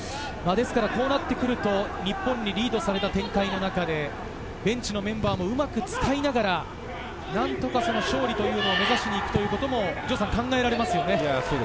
こうなってくると日本にリードされた展開の中でベンチのメンバーもうまく使いながら、何とか勝利を目指しに行くということも考えられますね。